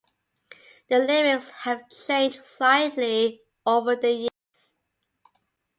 The lyrics have changed slightly over the years.